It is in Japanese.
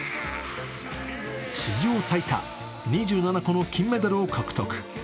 史上最多２７個の金メダルを獲得。